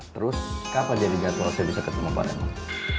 terus kapan jadi jadwal saya bisa ketemu pak raymond